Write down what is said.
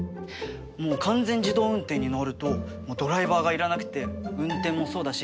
もう完全自動運転になるともうドライバーが要らなくて運転もそうだし